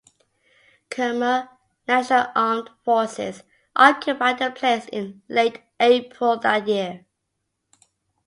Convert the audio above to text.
Khmer National Armed Forces occupied the place in late April that year.